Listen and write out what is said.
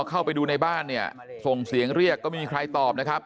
เข้าไปดูในบ้านเนี่ยส่งเสียงเรียกก็ไม่มีใครตอบนะครับ